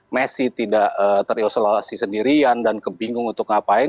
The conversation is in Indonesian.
messi tidak terisolasi sendirian dan kebingung untuk ngapain